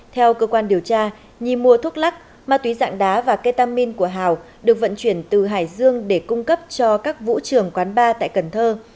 theo cơ quan điều tra nhi mua thuốc lắc ma túy dạng đá và ketamin của hào được vận chuyển từ hải dương để cung cấp cho các vũ trường quán bar tại cần thơ